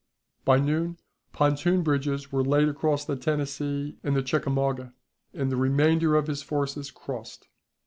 By noon pontoon bridges were laid across the Tennessee and the Chickamauga, and the remainder of his forces crossed.